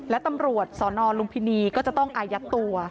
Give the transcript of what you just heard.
และตำรวจสนลุมพินีก็จะต้องอายัดตัว